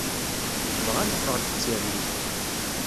Dɣa neffeɣ-d d tirni.